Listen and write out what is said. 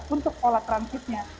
untuk pola transitnya